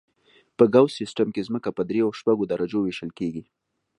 په ګوس سیستم کې ځمکه په دریو او شپږو درجو ویشل کیږي